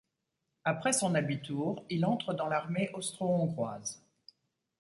Après son abitur, il entre dans l'armée austro-hongroise.